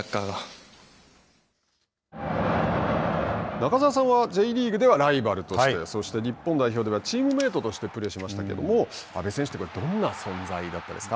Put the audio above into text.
中澤さんはＪリーグではライバルとしてそして、日本代表ではチームメートとしてプレーしましたけども阿部選手はどんな存在でしたか。